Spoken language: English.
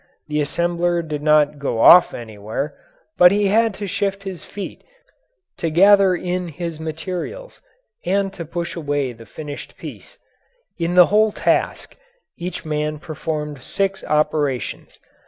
The assembler did not go off anywhere, but he had to shift his feet to gather in his materials and to push away his finished piece. In the whole task, each man performed six operations.